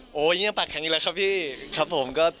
อย่างนี้ยังปากแข็งอีกแล้วครับพี่